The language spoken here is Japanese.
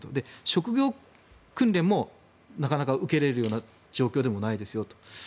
職業訓練もなかなか受けれるような状況でもないですよと。